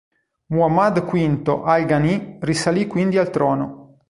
Muḥammad V al-Ghanī risalì quindi al trono.